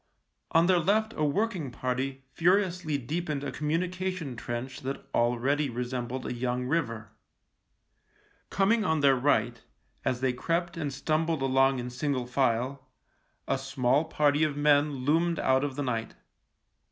On their left a working party furiously deepened a communication trench that already resembled a young river. Coming on their right, as they crept and stumbled along in single file, a small party of men loomed out of the night.